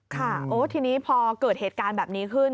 ค่ะโอ้ทีนี้พอเกิดเหตุการณ์แบบนี้ขึ้น